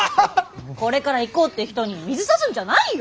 これから行こうって人に水さすんじゃないよ！